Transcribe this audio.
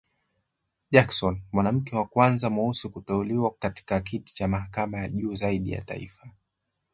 Jackson mwanamke wa kwanza mweusi kuteuliwa katika kiti cha mahakama ya juu zaidi ya taifa